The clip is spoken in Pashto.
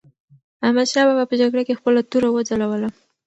احمدشاه بابا په جګړه کې خپله توره وځلوله.